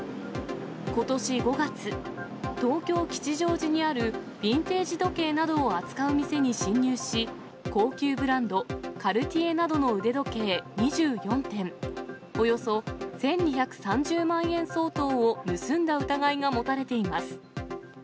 ことし５月、東京・吉祥寺にあるビンテージ時計などを扱う店に侵入し、高級ブランド、カルティエなどの腕時計２４点、およそ１２３０万円相当を盗んだ疑いが持たれています。